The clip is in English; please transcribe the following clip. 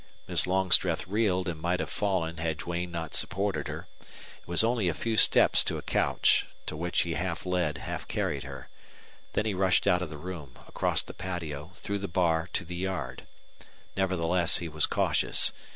Miss Longstreth reeled and might have fallen had Duane not supported her. It was only a few steps to a couch, to which he half led, half carried her. Then he rushed out of the room, across the patio, through the bar to the yard. Nevertheless, he was cautious.